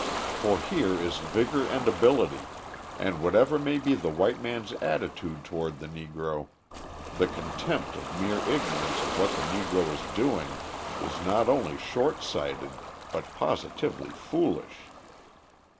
For here is vigour and ability, and whatever may be the white man's attitude toward the Negro, the contempt of mere ignorance of what the Negro is doing is not only short sighted but positively foolish.